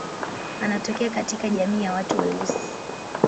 Anatokea katika jamii ya watu weusi.